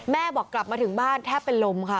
บอกกลับมาถึงบ้านแทบเป็นลมค่ะ